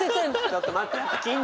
ちょっと待って！